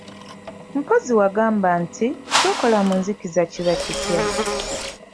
Mpozzi wagamba nti, ky'okola mu nzikiza kiba kitya?